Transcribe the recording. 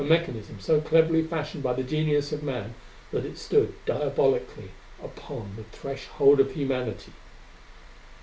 A mechanism so cleverly fashioned by the genius of man that it stood diabolically upon the threshhold of humanity!